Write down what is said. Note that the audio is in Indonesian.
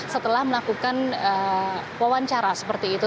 setelah melakukan wawancara seperti itu